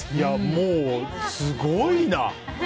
もう、すごいな。